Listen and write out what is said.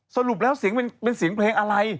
สรุปแล้วเสียงเป็นเสียงเพลงอะไร